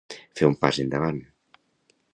Fer un pas endavant.